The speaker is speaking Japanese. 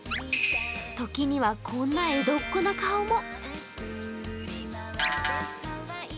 時にはこんな江戸っ子の顔も。